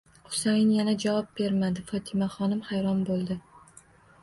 Husayin yana javob bermadi. Fotimaxonim hayron bo'ldi.